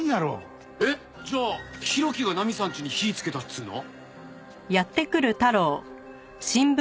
えっじゃあ浩喜がナミさんちに火つけたっつうの？